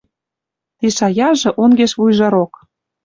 Ти шаяжы онгеш вуйжырок.